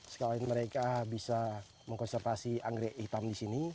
sekalian mereka bisa mengkonservasi anggrek hitam di sini